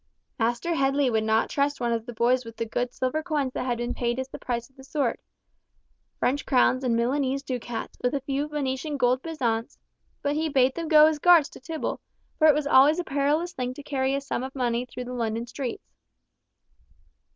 Master Headley would not trust one of the boys with the good silver coins that had been paid as the price of the sword—French crowns and Milanese ducats, with a few Venetian gold bezants—but he bade them go as guards to Tibble, for it was always a perilous thing to carry a sum of money through the London streets.